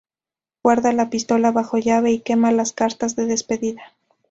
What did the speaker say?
Guarda la pistola bajo llave y quema las cartas de despedida.